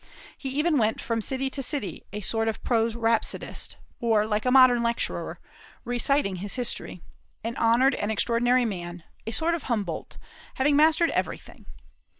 He even went from city to city, a sort of prose rhapsodist, or like a modern lecturer, reciting his history, an honored and extraordinary man, a sort of Humboldt, having mastered everything.